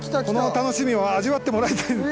この楽しみを味わってもらいたい！